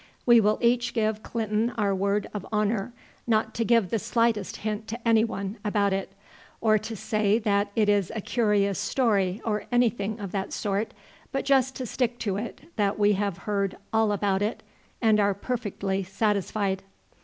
We will each give Clinton our word of honour not to give the slightest hint to anyone about it, or to say that it is a curious story or anything of that sort, but just to stick to it that we have heard all about it and are perfectly satisfied."